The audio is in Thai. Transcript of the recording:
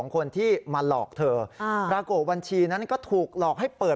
แม่ทำไมแม่เขาเข้าไปสู้กันมาอีกอย่างหนึ่ง